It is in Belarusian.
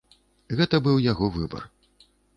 Гэта быў яго выбар.